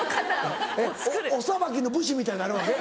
お裁きの武士みたいになるわけ？